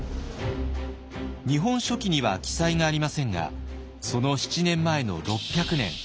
「日本書紀」には記載がありませんがその７年前の６００年。